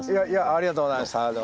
ありがとうございます。